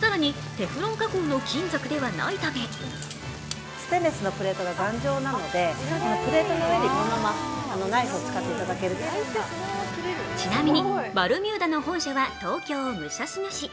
更に、テフロン加工の金属ではないためちなみにバルミューダの本社は東京・武蔵野市。